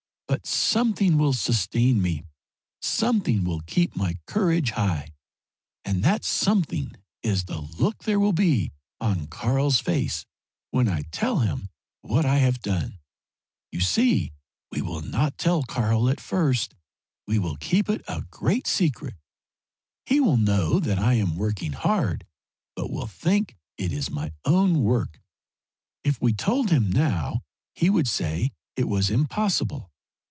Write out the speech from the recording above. But something will sustain me; something will keep my courage high, and that something is the look there will be on Karl's face when I tell him what I have done. You see we will not tell Karl at first; we will keep it a great secret. He will know I am working hard, but will think it is my own work. If we told him now he would say it was impossible.